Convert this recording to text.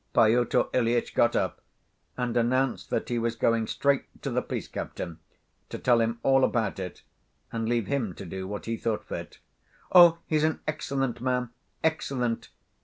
Pyotr Ilyitch got up, and announced that he was going straight to the police captain, to tell him all about it, and leave him to do what he thought fit. "Oh, he's an excellent man, excellent!